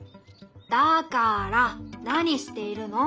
だから何しているの？